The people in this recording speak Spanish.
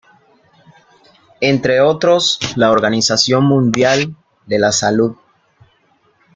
Entre otros la Organización Mundial de la Salud.